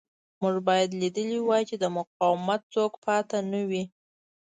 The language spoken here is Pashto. موږ باید لیدلی وای چې د مقاومت څوک پاتې نه وي